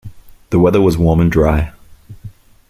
The weather was warm and dry.